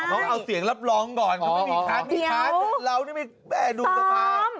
เราเอาเสียงรับรองก่อนเค้าไม่มีค้านเราไม่มีแม่ดูสภา